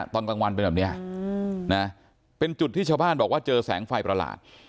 ตอนกลางวันเป็นแบบนี้นะเป็นจุดที่ชาวบ้านบอกว่าเจอแสงไฟประหลาด